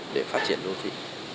để phát triển đô thị